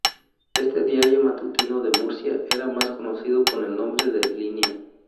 Este diario matutino de Murcia era más conocido con el nombre de Línea.